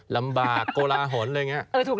ลำบากโกลาหลอะไรอย่างนี้